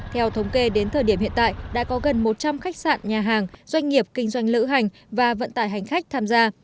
theo thống kê đến thời điểm hiện tại đã có gần một trăm linh khách sạn nhà hàng doanh nghiệp kinh doanh lữ hành và vận tải hành khách tham gia